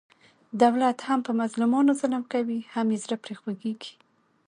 دولت هم په مظلومانو ظلم کوي، هم یې زړه پرې خوګېږي.